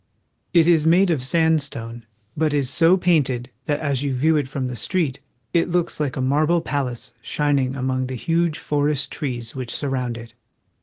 It is made of sandstone, but is so painted that as you view it from the street it looks Hke a marble palace shining among the huge forest trees which surround it.